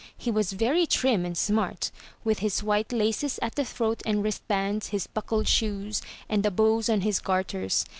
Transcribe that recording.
He was very trim and smart, with his white laces at the throat and wrist bands, his buckled shoes, and the bows on his garters.